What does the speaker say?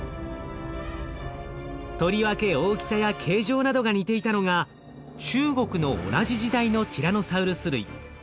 とりわけ大きさや形状などが似ていたのが中国の同じ時代のティラノサウルス類。